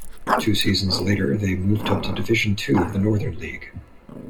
Two seasons later, they moved up to Division Two of the Northern League.